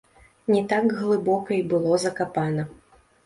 Не так глыбока і было закапана.